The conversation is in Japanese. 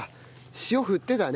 塩振ってたね。